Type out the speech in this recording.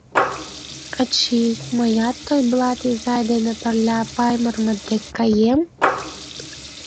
Ачий, мыят Тойблат изай дене пырля Паймырмыт дек каем?